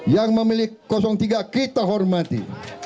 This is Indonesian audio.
yang memilih tiga kita hormati